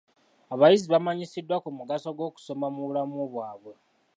Abayizi baamanyisiddwa ku mugaso gw'okusoma mu bulamu baabwe.